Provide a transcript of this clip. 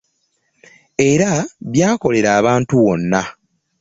Era byakolera abantu wonna